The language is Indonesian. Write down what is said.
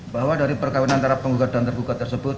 bahwa dari perkawinan antara penggugat dan tergugat tersebut